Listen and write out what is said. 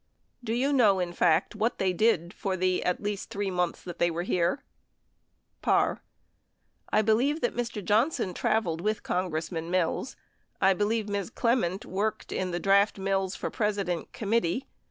Do you know, in fact, what they did for the at least three months that they were here ? Parr. I believe that Mr. Johnson traveled with Congress man Mills. I believe Ms. Clement worked in the Draft Mills for President Committee.